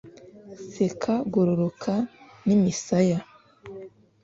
seka gororoka n'imisaya